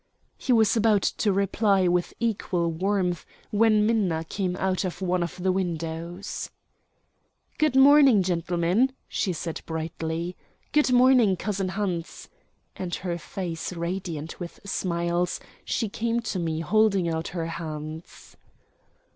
He was about to reply with equal warmth when Minna came out of one of the windows. "Good morning, gentlemen," she said brightly. "Good morning, cousin Hans," and, her face radiant with smiles, she came to me holding out her hands.